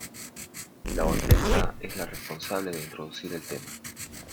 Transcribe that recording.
La orquesta es la responsable de introducir el tema.